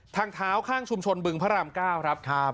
ทางเท้าข้างชุมชนบึงพระรามเก้าครับครับ